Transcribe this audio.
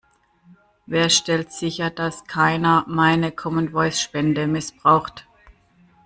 Wer stellt sicher, dass keiner meine Common Voice Spende missbraucht?